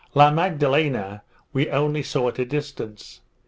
La Magdalena we only saw at a distance.